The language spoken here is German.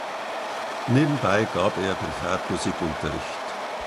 Nebenbei gab er privat Musikunterricht.